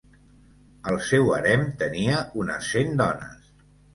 El seu harem tenia unes cent dones.